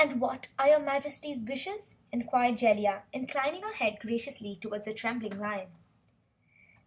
"What are your Majesty's wishes?" inquired Jellia, inclining her head graciously toward the trembling lion.